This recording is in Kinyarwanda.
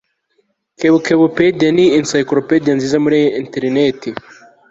kebukebupedia ni encyclopedia nziza kuri enterineti